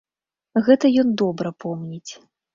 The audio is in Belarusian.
Гэта ён добра помніць.